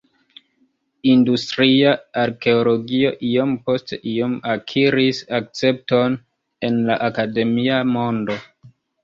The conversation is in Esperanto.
Industria arkeologio iom post iom akiris akcepton en la akademia mondo.